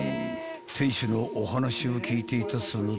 ［店主のお話を聞いていたそのとき］